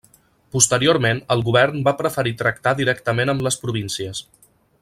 Posteriorment, el govern va preferir tractar directament amb les províncies.